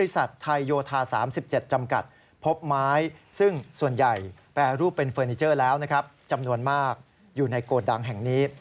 ซึ่งส่วนใหญ่แปรรูปเป็นเฟอร์นิเจอร์แล้วจำนวนมากอยู่ในโกรธดังแห่งนี้